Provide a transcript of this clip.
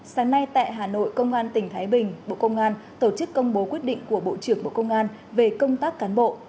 sáng nay tại hà nội công an tỉnh thái bình bộ công an tổ chức công bố quyết định của bộ trưởng bộ công an về công tác cán bộ